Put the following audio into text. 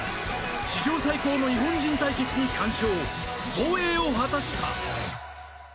史上最高の日本人対決に完勝、防衛を果たした。